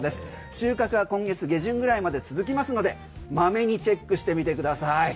収穫は今月下旬ぐらいまで続きますのでまめにチェックしてみてください。